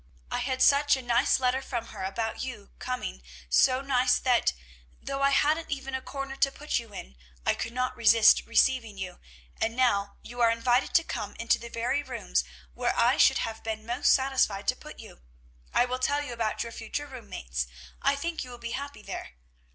"I had such a nice letter from her about your coming, so nice that, though I hadn't even a corner to put you in, I could not resist receiving you; and now you are invited to come into the very rooms where I should have been most satisfied to put you. I will tell you about your future room mates; I think you will be happy there."